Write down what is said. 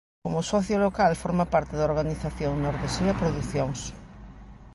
Como socio local forma parte da organización Nordesía Producións.